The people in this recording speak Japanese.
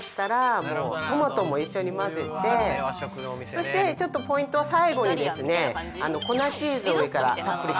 そしてちょっとポイントは最後にですね